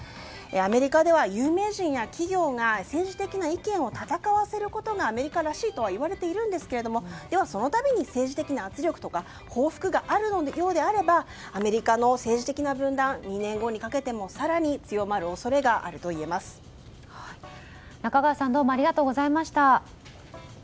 アメリカでは有名人や企業が政治的な意見を戦わせることがアメリカらしいとは言われているんですがその度に政治的な圧力とか報復があるようであればアメリカの政治的な分断２年後にかけても中川さんどうもありがとうございました。